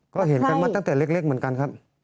ก็เห็นกันมาตั้งแต่เล็กเหมือนกันครับ